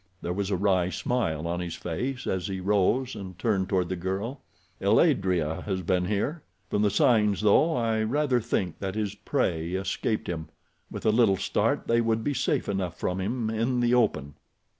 There was a wry smile on his face as he rose and turned toward the girl. "El adrea has been here. From the signs, though, I rather think that his prey escaped him. With a little start they would be safe enough from him in the open."